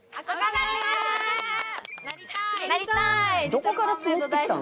「どこから募ってきたん？